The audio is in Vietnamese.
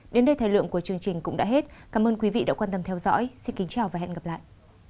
đến đây thời lượng của chương trình cũng đã hết cảm ơn quý vị đã quan tâm theo dõi xin kính chào và hẹn gặp lại